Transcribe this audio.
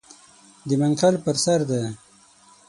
د منقل پر سر دی .